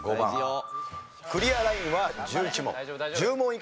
クリアラインは１１問。